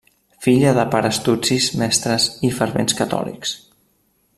Filla de pares tutsis mestres i fervents catòlics.